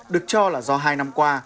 được cho là do hai năm qua